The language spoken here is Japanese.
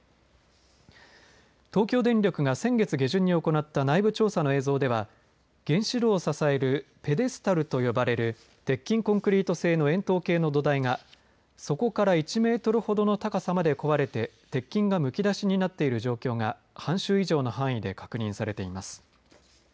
東京電力が先月下旬に行った内部調査の映像では原子炉を支えるペデスタルと呼ばれる鉄筋コンクリート製の円筒形の土台が底から１メートルほどの高さまで壊れて鉄筋がむき出しになっている状況が半周以上の範囲で確認されています。